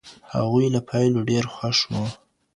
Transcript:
هغوې له پایلو ډېر خوښ وو.